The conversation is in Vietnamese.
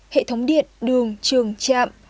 hệ thống điện đường trường trạm